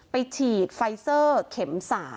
ฉีดไฟเซอร์เข็ม๓